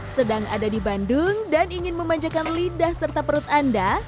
sedang ada di bandung dan ingin memanjakan lidah serta perut anda